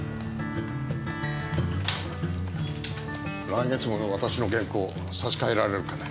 来月号の私の原稿差し替えられるかね？